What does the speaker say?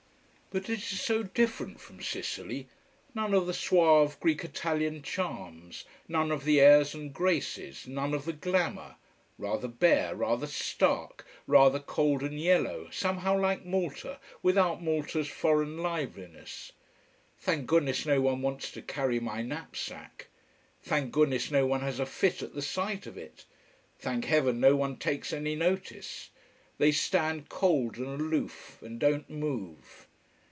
But it is so different from Sicily: none of the suave Greek Italian charms, none of the airs and graces, none of the glamour. Rather bare, rather stark, rather cold and yellow somehow like Malta, without Malta's foreign liveliness. Thank Goodness no one wants to carry my knapsack. Thank Goodness no one has a fit at the sight of it. Thank Heaven no one takes any notice. They stand cold and aloof, and don't move.